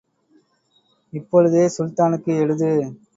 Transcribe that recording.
இப்பொழுதே சுல்தானுக்கு எழுது.